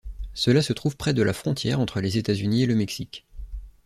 Cela se trouve près de la frontière entre les États-Unis et le Mexique.